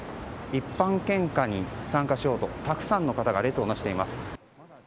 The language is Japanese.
一般献花に参加しようとたくさんの方が列をなしています。